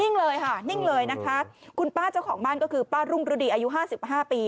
เลยค่ะนิ่งเลยนะคะคุณป้าเจ้าของบ้านก็คือป้ารุ่งฤดีอายุห้าสิบห้าปี